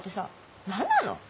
何なの？